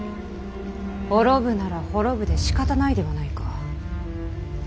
滅ぶなら滅ぶでしかたないではないか。